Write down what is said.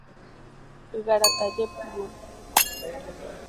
Ygarata jeporu.